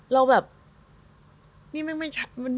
แล้วแบบนี่มันไม่ใช่แล้ว